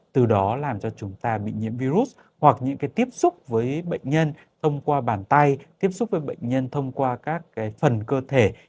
từ đó làm cho chúng ta bị nhiễm virus hoặc những cái tiếp xúc với bệnh nhân ông qua bàn tay tiếp xúc với bệnh nhân thông qua các phần cơ thể